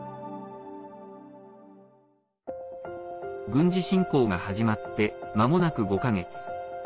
軍事侵攻が始まってまもなく５か月。